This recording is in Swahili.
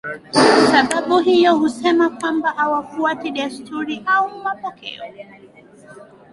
sababu hiyo husema kwamba hawafuati desturi au mapokeo